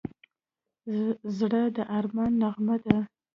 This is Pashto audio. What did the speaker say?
زړه د ارام نغمه ده.